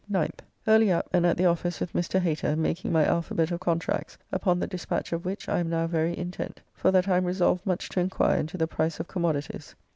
9th. Early up and at the office with Mr. Hater, making my alphabet of contracts, upon the dispatch of which I am now very intent, for that I am resolved much to enquire into the price of commodities.